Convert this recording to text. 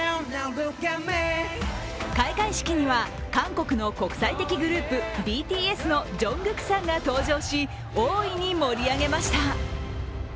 開会式には韓国の国際的グループ、ＢＴＳのＪＵＮＧＫＯＯＫさんが登場し大いに盛り上げました。